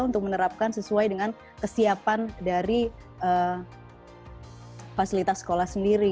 untuk menerapkan sesuai dengan kesiapan dari fasilitas sekolah sendiri